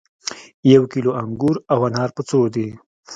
یو کیلو انګور او انار په څو دي